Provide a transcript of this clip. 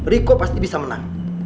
riku pasti bisa menang